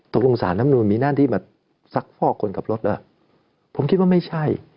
สารน้ำนูนมีหน้าที่มาซักฟอกคนขับรถล่ะผมคิดว่าไม่ใช่